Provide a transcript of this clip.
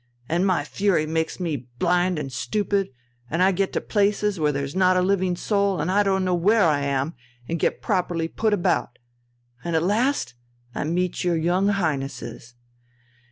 And my fury makes me blind and stupid, and I get to places where there's not a living soul, and don't know where I am and get properly put about. And at last I meet your young Highnesses.